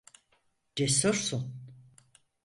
Cesursun.